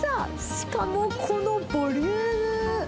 しかもこのボリューム。